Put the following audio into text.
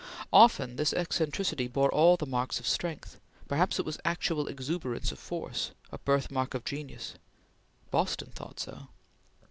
Often this eccentricity bore all the marks of strength; perhaps it was actual exuberance of force, a birthmark of genius. Boston thought so.